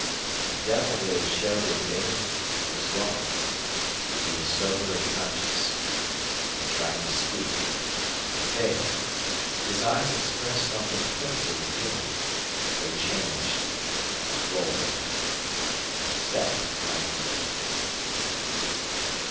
The devil that had showed in Bain was gone. He was sober and conscious. He tried to speak, but failed. His eyes expressed something pitifully human. They changed rolled set blankly.